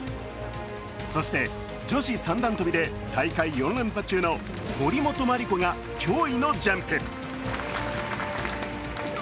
そして、女子三段跳で大会４連覇中の森本麻里子が驚異のジャンプ。